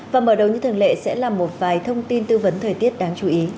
và mở đầu như thường lệ sẽ là một vài thông tin tư vấn thời tiết đáng chú ý